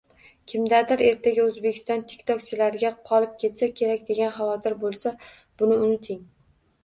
Kimdadir ertaga Oʻzbekiston tik-tokchilarga qolib ketsa kerak degan havotir boʻlsa, buni unuting.